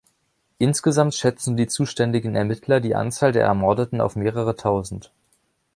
Insgesamt schätzen die zuständigen Ermittler die Anzahl der Ermordeten auf mehrere tausend.